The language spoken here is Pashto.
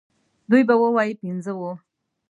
دوی به ووايي پنځه وو.